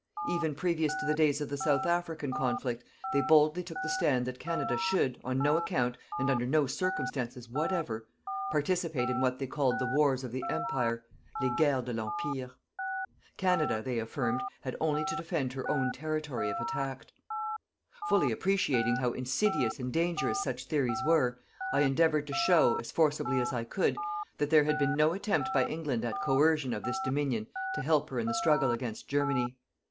Even previous to the days of the South African conflict, they boldly took the stand that Canada should, on no account, and under no circumstances whatever, participate in what they called the Wars of the Empire les guerres de l'Empire. Canada, they affirmed, had only to defend her own territory if attacked. Fully appreciating how insidious and dangerous such theories were, I endeavoured to show, as forcibly as I could, that there had been no attempt by England at coercion of this Dominion to help her in the struggle against Germany.